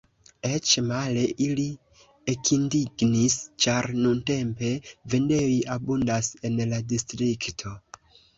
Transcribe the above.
Eĉ male: ili ekindignis, ĉar nuntempe vendejoj abundas en la distrikto.